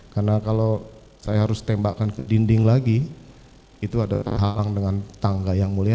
karena kalau saya harus tembakan ke dinding lagi itu ada halang dengan tangga yang mulia